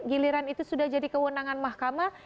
giliran itu sudah jadi kewenangan mahkamah